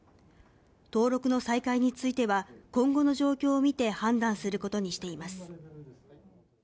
登録の再開については、今後の状況を見て判断することにしています。